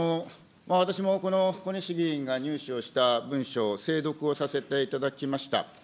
私もこの小西議員が入手をした文書を精読させていただきました。